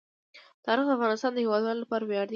تاریخ د افغانستان د هیوادوالو لپاره ویاړ دی.